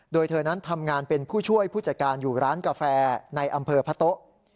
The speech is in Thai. โดยเธอนั้นทำงานเป็นผู้ช่วยผู้จัดการอยู่ร้านกาแฟในอำเภอพะโต๊ะ